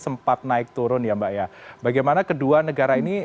sempat naik turun ya mbak ya bagaimana kedua negara ini